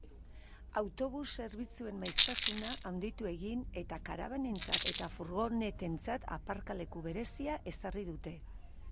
Autobus zerbitzuen maiztasuna handitu egin eta karabanentzat eta furgonetentzat aparkaleku berezia ezarri dute.